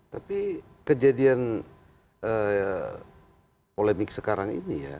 tapi kejadian polemik sekarang ini ya